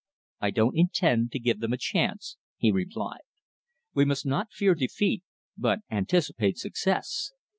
"I don't intend to give them a chance," he replied. "We must not fear defeat, but anticipate success.